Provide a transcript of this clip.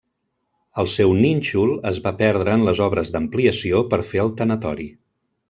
El seu nínxol es va perdre en les obres d'ampliació per fer el tanatori.